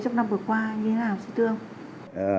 trong năm vừa qua như thế nào